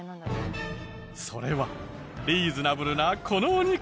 それはリーズナブルなこのお肉。